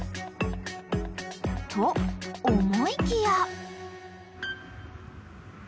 ［と思いきや］